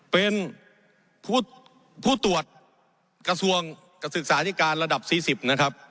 เป็นผู้ตรวจกระทรวงศึกษาธิการระดับ๔๐นะครับ